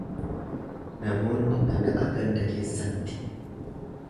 Namoonni dhaga'a ganda keessatti.